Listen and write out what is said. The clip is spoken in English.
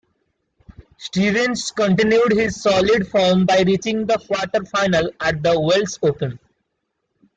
Stevens continued his solid form by reaching the quarter-finals at the Welsh Open.